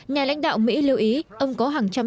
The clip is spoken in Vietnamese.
nhà lãnh đạo mỹ lưu ý ông có hàng trăm